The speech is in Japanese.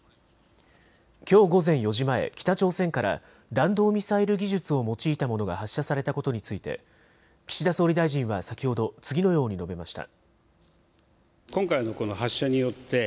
きょう午前４時前、北朝鮮から弾道ミサイル技術を用いたものが発射されたことについて岸田総理大臣は先ほど次のように述べました。